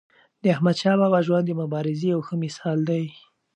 د احمدشاه بابا ژوند د مبارزې یو ښه مثال دی.